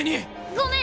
ごめん！